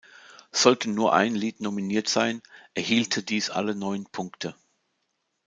Sollte nur ein Lied nominiert sein, erhielte dies alle neun Punkte.